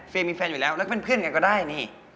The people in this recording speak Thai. มีแฟนอยู่แล้วแล้วก็เป็นเพื่อนกันก็ได้นี่